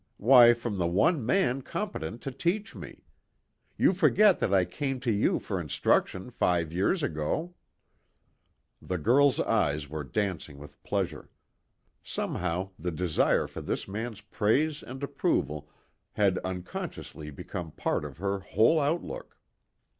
Why, from the one man competent to teach me. You forget that I came to you for instruction five years ago." The girl's eyes were dancing with pleasure. Somehow the desire for this man's praise and approval had unconsciously become part of her whole outlook.